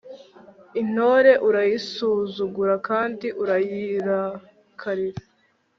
intore urayisuzugura kandi urayirakarira